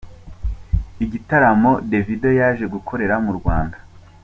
Igitaramo Davido yaje gukorera mu Rwanda .